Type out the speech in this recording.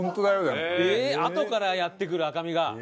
あとからやってくる赤身が。